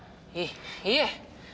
いいえ！